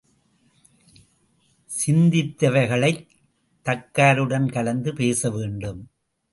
சிந்தித்தவைகளைத் தக்காருடன் கலந்து பேசவேண்டும்.